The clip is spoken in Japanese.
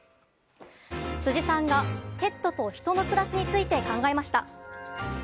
辻さんが、ペットと人の暮らしについて考えました。